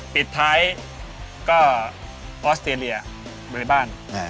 ปิดท้ายก็ออสเตรียบริบาล